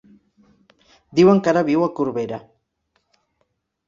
Diuen que ara viu a Corbera.